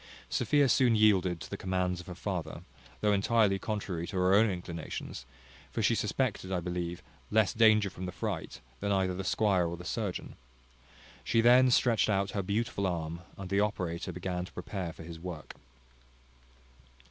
Sophia soon yielded to the commands of her father, though entirely contrary to her own inclinations, for she suspected, I believe, less danger from the fright, than either the squire or the surgeon. She then stretched out her beautiful arm, and the operator began to prepare for his work.